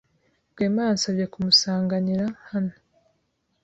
Rwema yansabye kumusanganira hano.